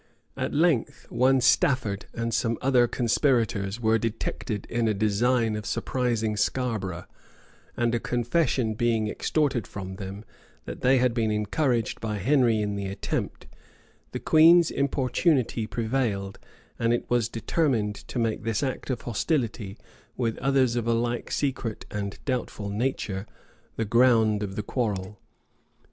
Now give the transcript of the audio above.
At length, one Stafford, and some other conspirators, were detected in a design of surprising Scarborough;[*] and a confession being extorted from them, that they had been encouraged by Henry in the attempt, the queen's importunity prevailed; and it was determined to make this act of hostility, with others of a like secret and doubtful nature, the ground of the quarrel.